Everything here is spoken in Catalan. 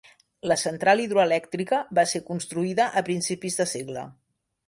La central hidroelèctrica va ser construïda a principis de segle.